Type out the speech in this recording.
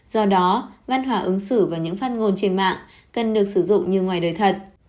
do đó văn hóa ứng xử và những phát ngôn trên mạng cần được sử dụng như ngoài đời thật